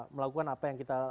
melakukan apa yang kita